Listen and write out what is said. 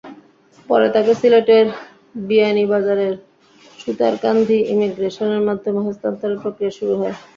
পরে তাঁকে সিলেটের বিয়ানীবাজারের সুতারকান্দি ইমিগ্রেশনের মাধ্যমে হস্তান্তরের প্রক্রিয়া শুরু হয়।